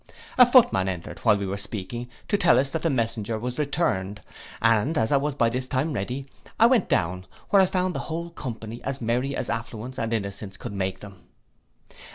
A footman entered while we were speaking, to tell us that the messenger was returned, and as I was by this time ready, I went down, where I found the whole company as merry as affluence and innocence could make them.